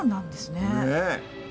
ねえ。